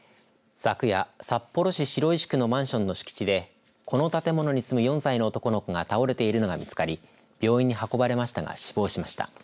昨夜、札幌市白石区のマンションの敷地でこの建物に住む４歳の男の子が倒れているのが見つかり病院に運ばれましたが死亡しました。